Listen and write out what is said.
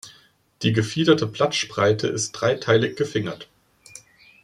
Die gefiederte Blattspreite ist dreiteilig gefingert.